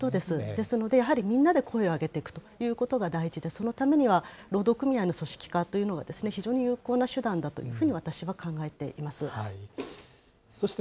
ですので、やはりみんなで声を上げていくということが大事で、そのためには労働組合の組織化というのが非常に有効な手段だというふうに私は考えています。